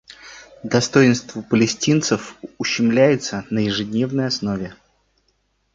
Достоинство палестинцев ущемляется на ежедневной основе.